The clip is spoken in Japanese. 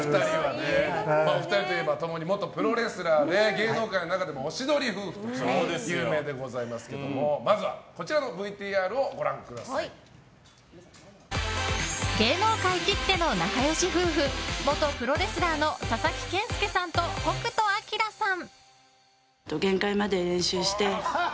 お二人といえば共に元プロレスラーで芸能界の中でもおしどり夫婦として有名でございますけどもまずは芸能界きっての仲良し夫婦元プロレスラーの佐々木健介さんと北斗晶さん。